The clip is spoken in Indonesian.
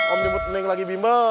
om jemput neng lagi bimbel